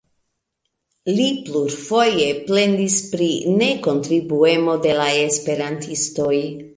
Li plurfoje plendis pri nekontribuemo de la esperantistoj.